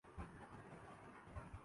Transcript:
میری سمجھ میں کچھ نہ آیا